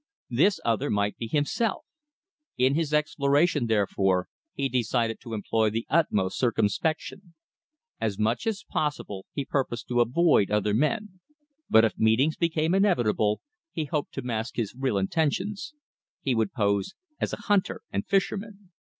This other might be himself. In his exploration, therefore, he decided to employ the utmost circumspection. As much as possible he purposed to avoid other men; but if meetings became inevitable, he hoped to mask his real intentions. He would pose as a hunter and fisherman.